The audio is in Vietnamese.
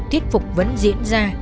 thuyết phục vẫn diễn ra